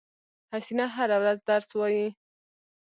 حسینه هره ورځ درس وایی